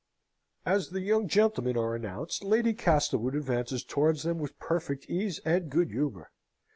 As the young gentlemen are announced, Lady Castlewood advances towards them with perfect ease and good humour.